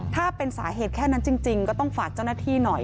ถ้าเป็นสาเหตุแค่นั้นจริงก็ต้องฝากเจ้าหน้าที่หน่อย